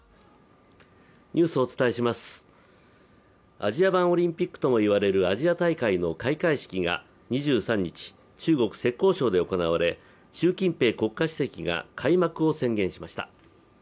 アジア版オリンピックともいわれるアジア大会の開会式が２３日、中国・浙江省で行われ、習近平国家主席が開幕を宣言しました。